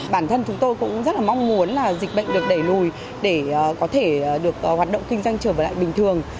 bản thân chúng tôi cũng rất là mong muốn là dịch bệnh được đẩy lùi để có thể được hoạt động kinh doanh trở lại bình thường